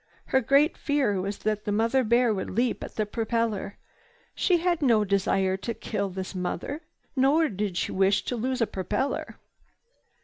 Her great fear was that the mother bear would leap at the propeller. She had no desire to kill this mother, nor did she wish to lose her propeller.